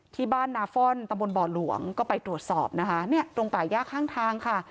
ที่บ้านนาฟ่อนตำบลบ่อหลวงก็ไปตรวจสอบนะคะเนี่ยตรงป่าย่าข้างทางค่ะ